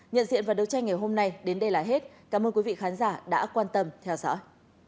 nhận diện và đấu tranh ngày hôm nay đến đây là hết cảm ơn quý vị khán giả đã quan tâm theo dõi